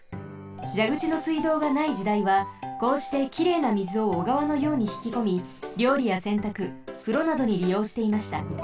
じゃぐちの水道がない時代はこうしてきれいなみずをおがわのようにひきこみりょうりやせんたくふろなどにりようしていました。